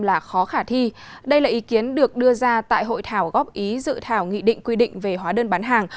là khó khả thi đây là ý kiến được đưa ra tại hội thảo góp ý dự thảo nghị định quy định về hóa đơn bán hàng